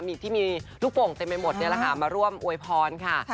มีที่มีลูกโป่งเต็มไปหมดนี่แหละค่ะมาร่วมอวยพรค่ะ